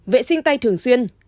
vệ sinh tay thường xuyên